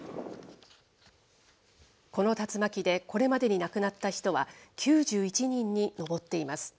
この竜巻で、これまでに亡くなった人は、９１人に上っています。